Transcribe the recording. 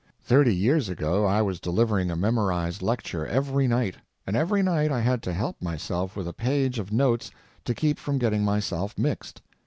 Thirty years ago I was delivering a memorized lecture every night, and every night I had to help myself with a page of notes to keep from getting myself mixed.